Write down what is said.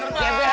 itu dari tadi